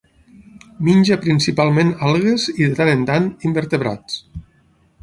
Menja principalment algues i, de tant en tant, invertebrats.